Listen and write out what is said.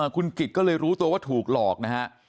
คุณกิจก็เลยรู้ตัวว่าถูกหลอกนะฮะ